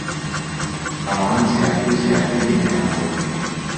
ئەوان زیاتر و زیاتر نیگەران بوون.